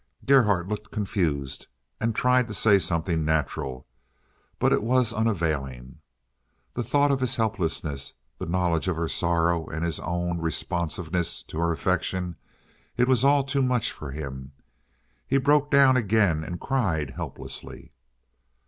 Gerhardt looked confused and tried to say something natural, but it was unavailing. The thought of his helplessness, the knowledge of her sorrow and of his own responsiveness to her affection—it was all too much for him; he broke down again and cried helplessly.